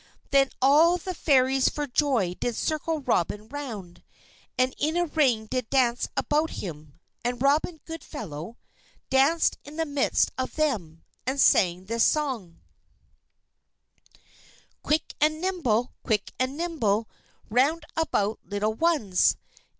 Then all the Fairies for joy did circle Robin around, and in a ring did dance about him; and Robin Goodfellow danced in the midst of them, and sang this song: "_Quick and nimble! Quick and nimble! Round about little ones!